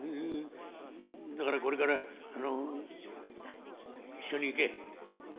だからこれから一緒に行け」。